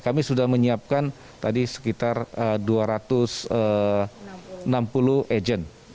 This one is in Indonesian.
kami sudah menyiapkan tadi sekitar dua ratus enam puluh agent